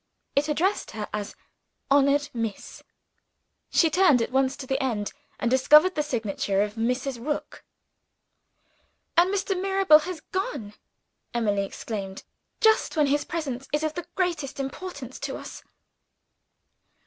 It addressed her as "Honored Miss." She turned at once to the end and discovered the signature of Mrs. Rook! "And Mr. Mirabel has gone," Emily exclaimed, "just when his presence is of the greatest importance to us!"